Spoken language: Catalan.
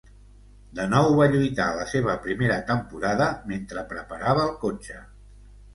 De nou va lluitar a la seva primera temporada mentre preparava el cotxe.